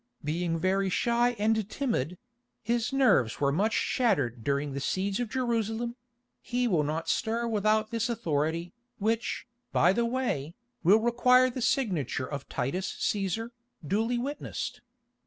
Being very shy and timid—his nerves were much shattered during the siege of Jerusalem—he will not stir without this authority, which, by the way, will require the signature of Titus Cæsar, duly witnessed.